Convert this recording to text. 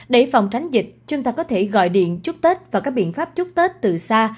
để phòng tránh dịch chúng ta có thể gọi điện chúc tết và các biện pháp chúc tết từ xa